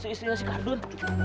istrinya si kardun